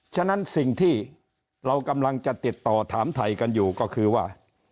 ฉะนั้นสิ่งที่เรากำลังจะติดต่อถามไทยกันอยู่ก็คือว่า